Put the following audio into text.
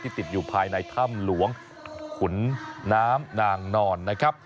ติดอยู่ภายในถ้ำหลวงขุนน้ำนางนอนนะครับ